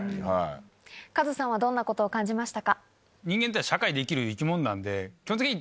カズさんはどんなことを感じましたか？